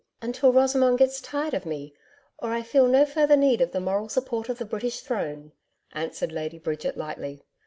'Until Rosamond gets tired of me or I feel no further need of the moral support of the British Throne,' answered Lady Bridget lightly.